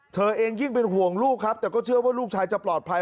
เธอเองยิ่งเป็นห่วงลูกครับแต่ก็เชื่อว่าลูกชายจะปลอดภัย